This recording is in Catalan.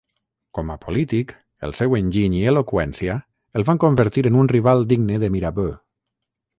Com a polític, el seu enginy i eloqüència el van convertir en un rival digne de Mirabeau.